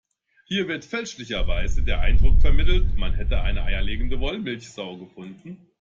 Hier wird fälschlicherweise der Eindruck vermittelt, man hätte die eierlegende Wollmilchsau gefunden.